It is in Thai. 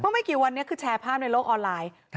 เมื่อไม่กี่วันแชร์ภาพในโลกออนไลน์